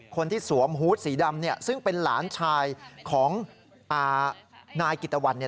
คนที่สวมหูดสีดำซึ่งเป็นหลานชายของนายกิตะวัน